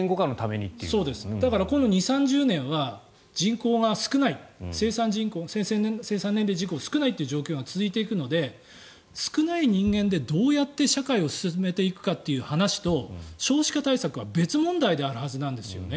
だからこの２０３０年は人口が少ない生産年齢人口が少ない状況が続いていくので少ない人間でどうやって社会を進めていくかという話と少子化対策は別問題であるはずなんですよね。